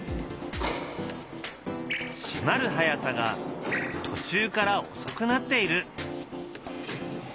閉まる速さが途中からおそくなっている。